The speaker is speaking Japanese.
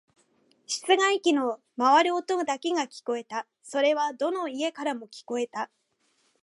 室外機の回る音だけが聞こえた。それはどの家からも聞こえた。